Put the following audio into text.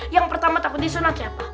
yang pertama takut disunat siapa